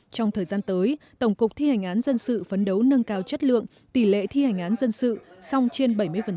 trong thời gian tới tổng cục thi hành án dân sự phấn đấu nâng cao chất lượng tỷ lệ thi hành án dân sự song trên bảy mươi